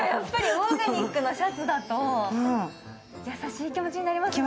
オーガニックのシャツだと優しい気持になりますね。